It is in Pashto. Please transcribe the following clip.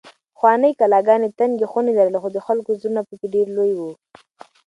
پخوانۍ کلاګانې تنګې خونې لرلې خو د خلکو زړونه پکې ډېر لوی وو.